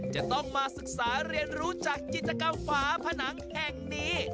จะต้องมาศึกษาเรียนรู้จากจิตกรรมฝาผนังแห่งนี้